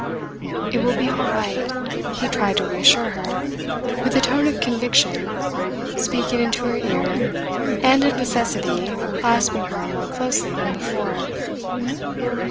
"It will be all right," he tried to reassure her, with a tone of conviction, speaking into her ear, and of necessity clasping her more closely than before.